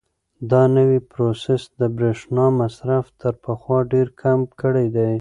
دا نوی پروسیسر د برېښنا مصرف تر پخوا ډېر کم کړی دی.